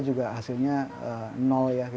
juga hasilnya nol ya